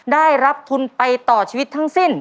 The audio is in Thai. ได้รับทุนไปต่อชีวิตทั้งสิ้น